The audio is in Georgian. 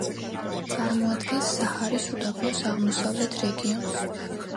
წარმოადგენს საჰარის უდაბნოს აღმოსავლეთ რეგიონს.